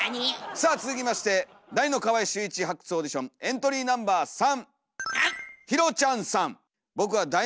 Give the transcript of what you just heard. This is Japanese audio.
さあ続きまして「第二の川合俊一発掘オーディション」エントリーナンバー３。